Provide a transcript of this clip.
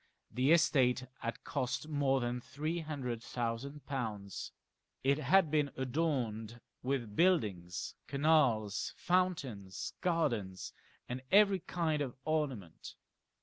The estate had cost more than three hundred thousand pounds. It had been adorned with buildings, canals, fountains, gardens, and every kind of ornament.